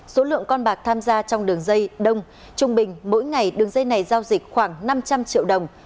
số lượng con bạc tham gia trong đường dây đông trung bình mỗi ngày đường dây này giao dịch khoảng năm trăm linh triệu đồng